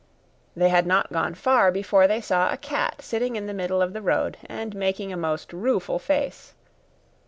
They had not gone far before they saw a cat sitting in the middle of the road and making a most rueful face.